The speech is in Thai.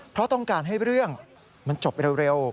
เพราะต้องการให้เรื่องมันจบเร็ว